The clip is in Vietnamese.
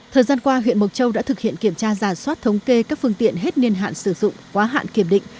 thời gian qua huyện mộc châu đã thực hiện kiểm tra giả soát thống kê các phương tiện hết niên hạn sử dụng quá hạn kiểm định